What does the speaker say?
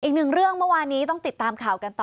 อีกหนึ่งเรื่องเมื่อวานนี้ต้องติดตามข่าวกันต่อ